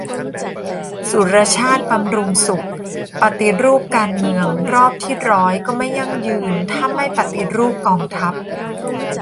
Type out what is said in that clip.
สุรชาติ บำรุงสุข : ปฏิรูปการเมืองรอบที่ร้อยก็ไม่ยั่งยืน ถ้าไม่ปฏิรูปกองทัพ